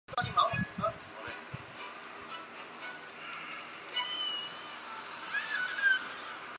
中山勋章为中华民国次高荣誉的文职勋章。